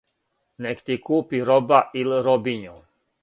Нек ти купи роба ил' робињу.